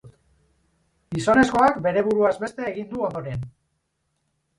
Gizonezkoak bere buruaz beste egin du ondoren.